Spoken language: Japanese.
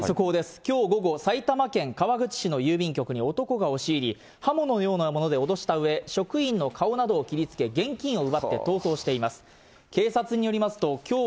きょう午後、埼玉県川口市の郵便局に男が押し入り、刃物などで脅したうえ、顔などを切りつけ、現金を奪って逃走しています。